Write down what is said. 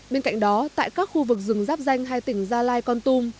bên cạnh đó tại các khu vực rừng giáp danh hai tỉnh gia lai con tum